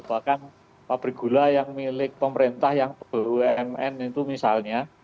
bahkan pabrik gula yang milik pemerintah yang bumn itu misalnya